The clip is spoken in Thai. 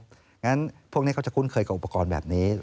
เพราะฉะนั้นพวกนี้เขาจะคุ้นเคยกับอุปกรณ์แบบนี้